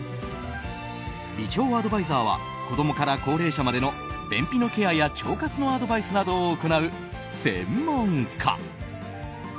美腸アドバイザーは、子供から高齢者までの便秘のケアや腸活のアドバイスなどを行う専門家。